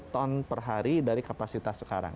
ton per hari dari kapasitas sekarang